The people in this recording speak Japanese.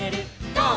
ゴー！」